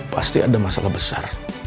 pasti ada masalah besar